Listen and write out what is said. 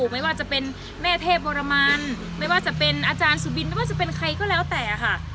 ไม่ว่าจะเป็นแม่เทพบรมันไม่ว่าจะเป็นอาจารย์สุบินไม่ว่าจะเป็นใครก็แล้วแต่ค่ะ